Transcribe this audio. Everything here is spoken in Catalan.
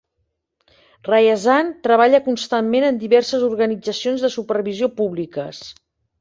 Ryazan treballa constantment en diverses organitzacions de supervisió públiques.